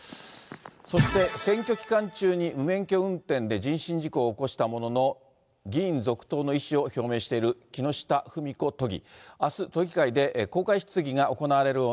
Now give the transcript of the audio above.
そして、選挙期間中に無免許運転で人身事故を起こしたものの、議員続投の意思を表明している木下富美子都議。